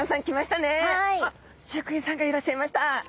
あっ飼育員さんがいらっしゃいました！